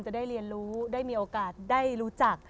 จะได้เรียนรู้ได้มีโอกาสได้รู้จัก